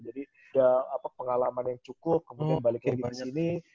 jadi ya apa pengalaman yang cukup kemudian balik lagi ke sini